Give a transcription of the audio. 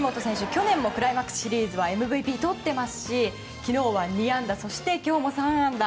去年もクライマックスシリーズはＭＶＰをとってますし昨日は２安打そして、今日も３安打。